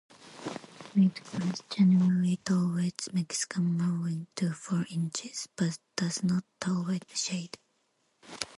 Wheatgrass generally tolerates Mexican mowing to four inches, but does not tolerate shade.